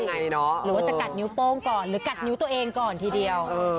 หรือว่าจะกัดนิ้วโป้งก่อนหรือกัดนิ้วตัวเองก่อนทีเดียว